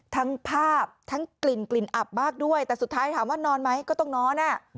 ทั้งภาพทั้งกลิ่นกลิ่นอับมากด้วยแต่สุดท้ายถามว่านอนไหมก็ต้องนอน